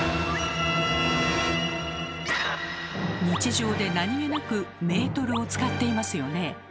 日常で何気なく「メートル」を使っていますよね？